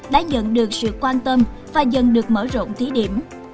đã nhận được sự quan tâm và dần được mở rộng thí điểm